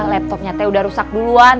laptopnya teh udah rusak duluan